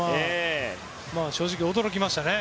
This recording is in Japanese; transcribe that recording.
正直、驚きましたね。